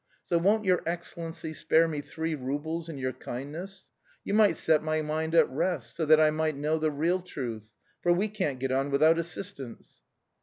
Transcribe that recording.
So won't your excellency spare me three roubles in your kindness? You might set my mind at rest, so that I might know the real truth; for we can't get on without assistance."